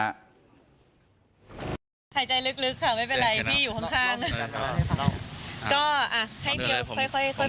หายใจลึกค่ะไม่เป็นไรพี่อยู่ข้าง